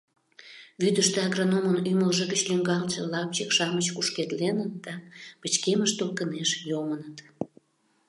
Вӱдыштӧ агрономын ӱмылжӧ гыч лӱҥгалтше лапчык-шамыч кушкедленыт да пычкемыш толкынеш йомыныт.